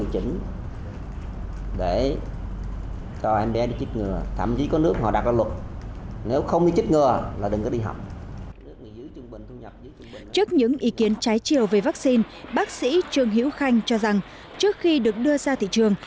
trước những ý kiến trái chiều về vaccine bác sĩ trương hữu khanh cho rằng trước khi được đưa ra thị trường